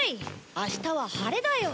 明日は晴れだよ。